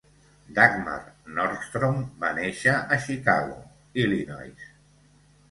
Dagmar Nordstrom va néixer a Chicago, Illinois.